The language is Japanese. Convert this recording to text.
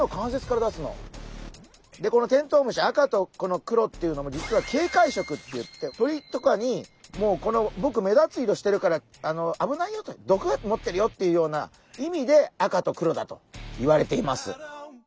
でこのテントウムシ赤とこの黒っていうのも実は警戒色っていって鳥とかにもうぼく目立つ色してるから危ないよと毒を持ってるよっていうような意味で赤と黒だといわれています。